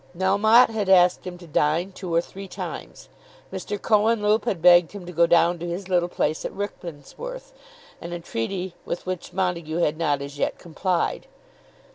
Melmotte had asked him to dine two or three times. Mr. Cohenlupe had begged him to go down to his little place at Rickmansworth, an entreaty with which Montague had not as yet complied.